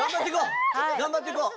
がんばっていこう。